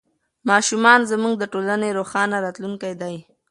ماشومان زموږ د ټولنې روښانه راتلونکی دی.